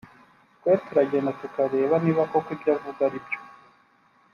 twebwe turagenda tukareba niba koko ibyo avuga ari byo